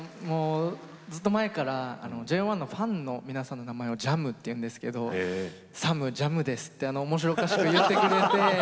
ずっと前からＪＯ１のファンの皆さんの名前をＪＡＭというんですけど「ＳＡＭＪＡＭです」っておもしろおかしく言ってくれて。